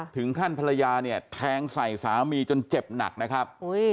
ภรรยาเนี่ยแทงใส่สามีจนเจ็บหนักนะครับ